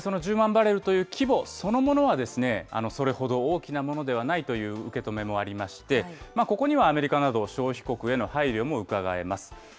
バレルという規模そのものは、それほど大きなものではないという受け止めもありまして、ここにはアメリカなど消費国への配慮もうかがえます。